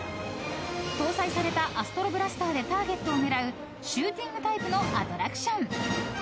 ［搭載されたアストロブラスターでターゲットを狙うシューティングタイプのアトラクション］